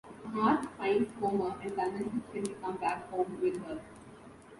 Marge finds Homer and convinces him to come back home with her.